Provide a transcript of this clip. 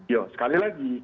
yuk sekali lagi